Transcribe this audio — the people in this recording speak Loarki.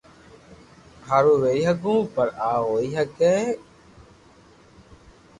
ھارو ويري ھگو پر آ ھوئي ڪوئي سگي